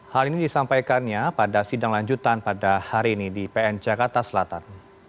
hal ini disampaikannya pada sidang lanjutan pada hari ini di pn jakarta selatan